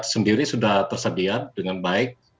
sendiri sudah tersedia dengan baik